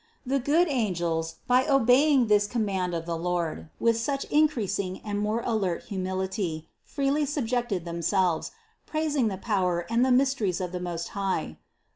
The good an gels by obeying this command of the Lord, with still in creasing and more alert humility, freely subjected them selves, praising the power and the mysteries of the Most High.